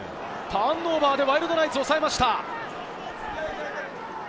ターンオーバーで、ワイルドナイツ、おさえました。